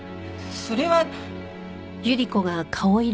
それは。